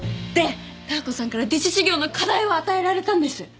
でダー子さんから弟子修業の課題を与えられたんです。